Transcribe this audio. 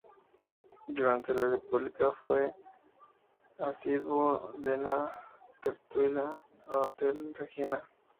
Durante la República fue asiduo de la tertulia del Hotel Regina.